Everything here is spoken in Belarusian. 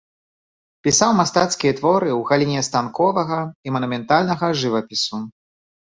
Пісаў мастацкія творы ў галіне станковага і манументальнага жывапісу.